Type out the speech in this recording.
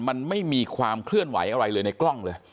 มันไม่มีความเคลื่อนไหวอะไรเลยในกล้องเลย